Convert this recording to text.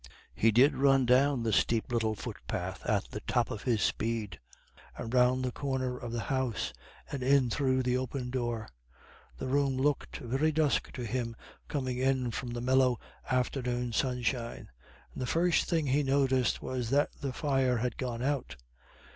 He did run down the steep little footpath at the top of his speed, and round the corner of the house, and in through the open door. The room looked very dusk to him coming in from the mellow afternoon sunshine, and the first thing he noticed was that the fire had gone out.